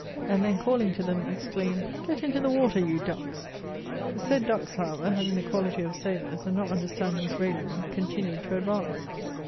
'' And then, calling to them, exclaimed, " Gret into the water, you ducks." The said ducks, however, having the quality of sailors, and not understanding his raillery, continued to ad vance.